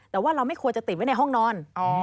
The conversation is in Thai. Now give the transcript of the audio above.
แต่ว่าเราไม่ควรจะติดไว้ในห้องนอน